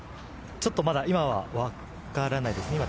ちょっとまだ今はわからないです。